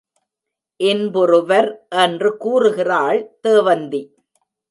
இன்புறுவர் என்று கூறுகிறாள் தேவந்தி.